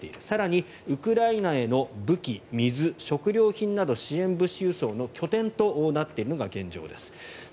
更にウクライナへの武器、水、食料品など支援物資輸送の拠点となっているのが現状です。